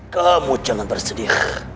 kamu jangan bersedih